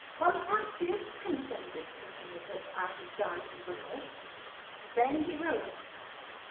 Von Francius condescended to say that I had done well. Then he rose.